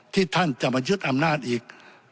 ที่ท่านจะมายึดอำนาจอีก